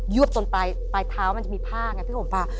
วดจนปลายเท้ามันจะมีผ้าไงพี่ห่มป่า